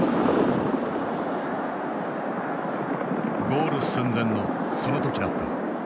ゴール寸前のその時だった。